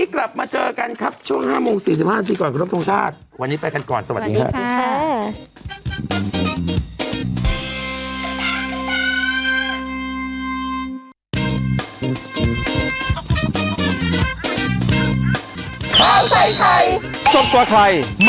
กลับมาเจอกันครับช่วง๕โมง๔๕นาทีก่อนขอรบทรงชาติวันนี้ไปกันก่อนสวัสดีครับ